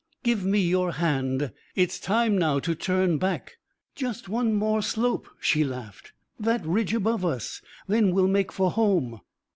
"Give me your hand. It's time now to turn back." "Just one more slope," she laughed. "That ridge above us. Then we'll make for home."